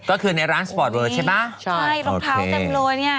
ก็คือในร้านสปอร์ตเวอร์ใช่ไหมใช่รองเท้าเต็มเลยเนี่ย